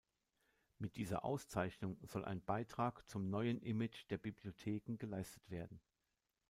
Mit dieser Auszeichnung soll ein Beitrag zum neuen Image der Bibliotheken geleistet werden.